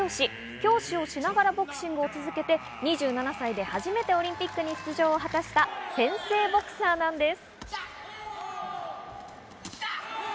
教師をしながらボクシングを続けて、２７歳で初めてオリンピックに出場を果たした先生ボクサーなんです。